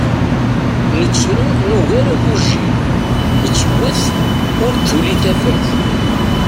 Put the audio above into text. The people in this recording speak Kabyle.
Nettru nugar agujil, nettwwet ur d-tuli tafat.